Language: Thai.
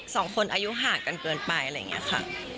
สองคนอายุห่างกันเกินไปอะไรอย่างเงี้ยค่ะ